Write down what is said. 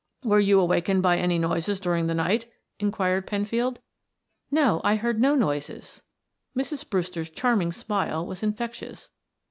"Were you awakened by any noises during the night?" inquired Penfield. "No; I heard no noises." Mrs. Brewster's charming smile was infectious.